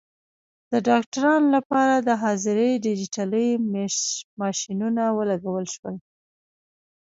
د ډاکټرانو لپاره د حاضرۍ ډیجیټلي ماشینونه ولګول شول.